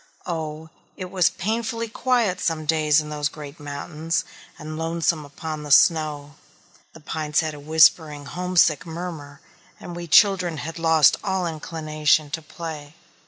Oh, it was painfully quiet some days in those great mountains, and lonesome upon the snow. The pines had a whispering homesick murmur, and we children had lost all inclination to play.